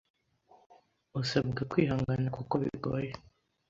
Usabwa kwihangana kuko bigoye